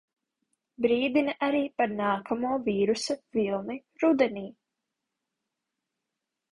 Brīdina arī par nākamo vīrusa vilni rudenī.